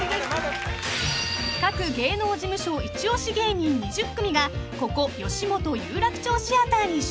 ［各芸能事務所一押し芸人２０組がここよしもと有楽町シアターに集結］